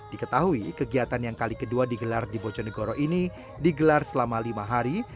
diketahui kegiatan yang kali kedua digelar di bojonegoro ini digelar selama lima hari